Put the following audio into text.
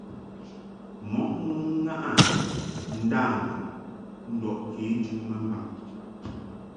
Mɔʼ mon ŋaʼɨ ndâmun ndɔʼ kejɨ ma mbaŋ.